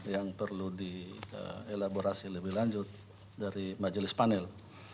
yang perlu di elaborasi lebih lanjut dari majelis panel